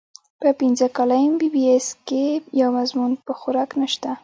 پۀ پنځه کاله اېم بي بي اېس کښې يو مضمون پۀ خوراک نشته